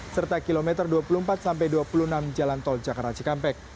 serta kilometer dua puluh empat sampai dua puluh enam jalan tol jakarta cikampek